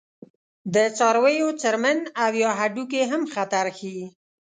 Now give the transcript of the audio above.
د څارویو څرمن او یا هډوکي هم خطر ښيي.